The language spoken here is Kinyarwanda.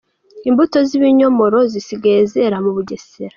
Imbuto zibinyomoro zisigaye zera mu Bugesera